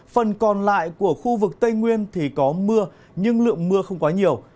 phần còn lại của khu vực tây nguyên thì có mưa nhưng lượng mưa không quá nhiều